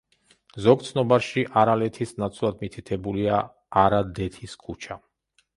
ზოგ ცნობარში არალეთის ნაცვლად მითითებულია არადეთის ქუჩა.